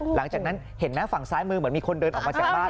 หลังจากนั้นเห็นไหมฝั่งซ้ายมือเหมือนมีคนเดินออกมาจากบ้าน